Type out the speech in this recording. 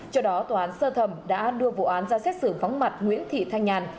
trước đó tòa án sơ thẩm đã đưa vụ án ra xét xử vắng mặt nguyễn thị thanh nhàn